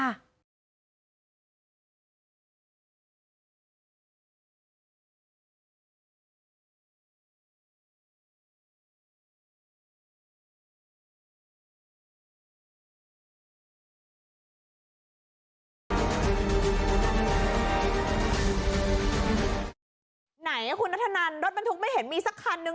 มันต้องมากับรถคันใดคันหนึ่งสักคันหนึ่ง